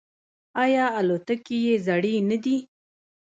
آیا الوتکې یې زړې نه دي؟